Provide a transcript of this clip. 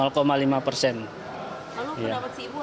lalu pendapat si ibu apa